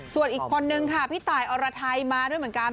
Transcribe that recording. ส่วนอีกคนนึงค่ะพี่ตายอรไทยมาด้วยเหมือนกัน